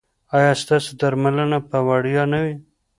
ایا ستاسو درملنه به وړیا نه وي؟